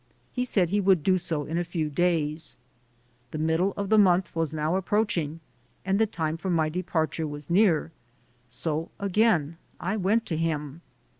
He said he would do so in a few days. The middle of the month was now approaching and the time for my departure was near, so again I went to him.